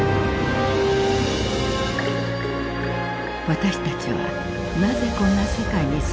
私たちはなぜこんな世界に住んでいるのか。